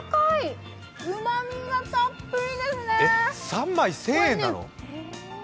３枚１０００円なの？